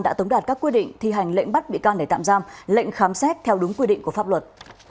đã tống đạt các quy định thi hành lệnh bắt bị can để tạm giam lệnh khám xét theo đúng quy định của pháp luật